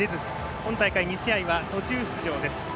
今大会２試合は途中出場です。